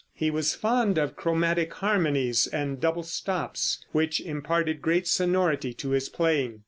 He was fond of chromatic harmonies and double stops, which imparted great sonority to his playing.